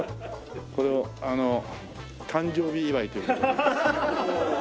これを誕生日祝いという事で。